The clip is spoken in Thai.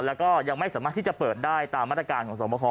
แล้วก็ยังไม่สามารถที่จะเปิดได้ตามมาตรการของสวบคอ